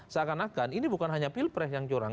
seakan akan ini bukan hanya pilpres yang curang